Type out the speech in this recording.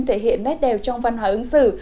thể hiện nét đều trong văn hóa ứng xử